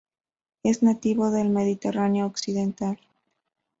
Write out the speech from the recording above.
Es nativo del Mediterráneo occidental.